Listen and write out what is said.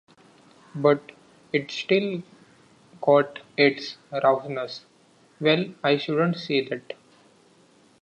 But it's still got its rawness...Well, I shouldn't say that.